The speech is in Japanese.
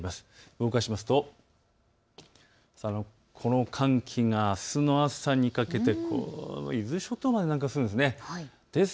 動かしますとこの寒気があすの朝にかけて伊豆諸島まで南下するんです。